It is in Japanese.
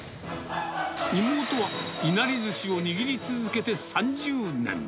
妹は、いなりずしを握り続けて３０年。